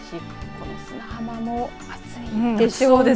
この砂浜も暑いでしょうね。